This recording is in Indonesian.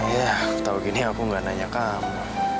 ya tahu gini aku gak nanya kamu